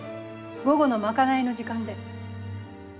午後の賄いの時間で。